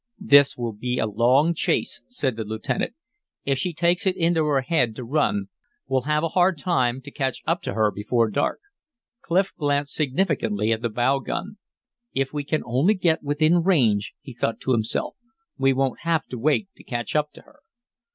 "This will be a long chase," said the lieutenant. "If she takes it into her head to run we'll have a hard time to catch up to her before dark." Clif glanced significantly at the bow gun. "If we can only get within range," he thought to himself, "we won't have to wait to catch up to her."